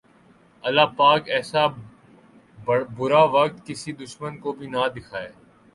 اللہ پاک ایسا برا وقت کسی دشمن کو بھی نہ دکھائے